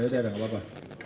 nanti ada gak apa apa